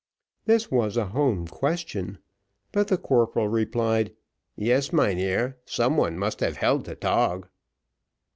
This was a home question; but the corporal replied, "Yes, mynheer, some one must have held the dog."